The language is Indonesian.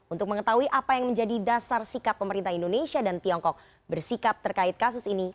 untuk mengetahui apa yang menjadi dasar sikap pemerintah indonesia dan tiongkok bersikap terkait kasus ini